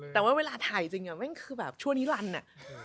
แต่ว่าเวลาถ่ายจริงแม่งคือแบบชั่วนิรันอ่ะ